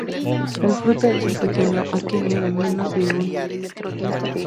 El fruto es un pequeño aquenio de menos de un milímetro de largo.